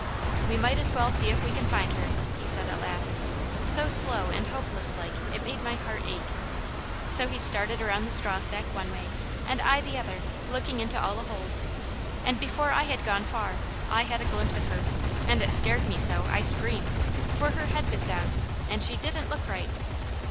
"We might as well see if we can find her," he said at last, so slow and hopeless like it made my heart ache. So he started around the straw stack one way, and I the other, looking into all the holes, and before I had gone far I had a glimpse of her, and it scared me so I screamed, for her head was down, and she didn't look right.